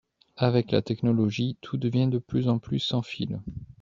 Avec la technologie tout devient de plus en plus sans fil